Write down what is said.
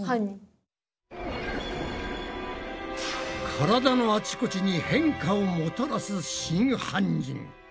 体のあちこちに変化をもたらす真犯人。